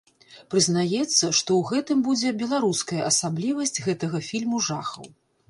Прызнаецца, што ў гэтым будзе беларуская асаблівасць гэтага фільму жахаў.